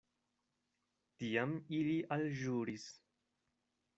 Tiam ili alĵuris.